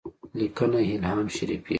لیکنه الهام شریفي